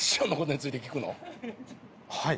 はい。